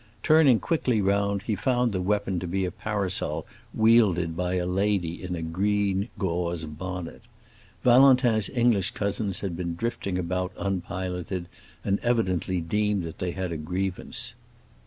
Turning quickly round he found the weapon to be a parasol wielded by a lady in green gauze bonnet. Valentin's English cousins had been drifting about unpiloted, and evidently deemed that they had a grievance.